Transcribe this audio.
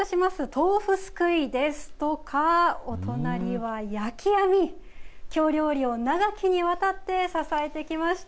豆腐すくいですとかお隣は焼き網京料理を長きにわたって支えてきました。